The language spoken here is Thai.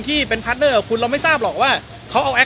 แล้วไม่ได้มินประมาณธรรมดาด้วย